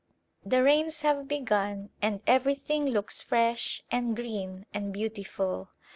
The rains have begun and everything looks fresh and green and beautiful.